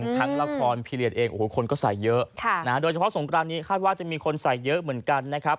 ทั้งละครพีเรียนเองโอ้โหคนก็ใส่เยอะโดยเฉพาะสงกรานนี้คาดว่าจะมีคนใส่เยอะเหมือนกันนะครับ